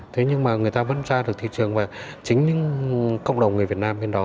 thế nhưng mà người ta vẫn ra được thị trường và chính những cộng đồng người việt nam bên đó